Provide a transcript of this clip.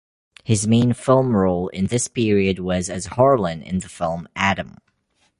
His main film role in this period was as Harlan in the film "Adam".